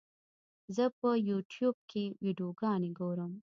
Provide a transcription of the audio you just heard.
زه په یوټیوب کې ویډیوګانې ګورم.